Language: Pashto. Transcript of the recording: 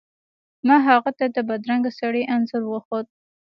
ما هغه ته د بدرنګه سړي انځور وښود.